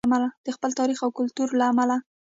د خپل تاریخ او کلتور له امله.